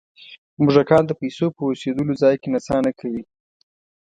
موږکان د پیسو په اوسېدلو ځای کې نڅا نه کوي.